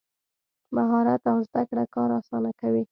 مهارت او زده کړه کار اسانه کوي.